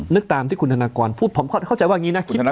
นึกตามที่คุณธนากลผมเข้าใจว่ายังงี้นะ